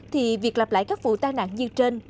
thì việc lập lại các vụ tai nạn như trên